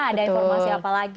ada informasi apa lagi